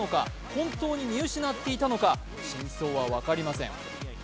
本当に見失っていたのか真相は分かりません。